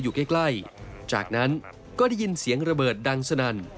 อยู่ใกล้จากนั้นก็ได้ยินเสียงระเบิดดังสนั่น